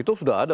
itu sudah ada